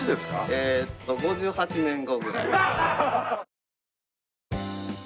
えーっと５８年後ぐらい。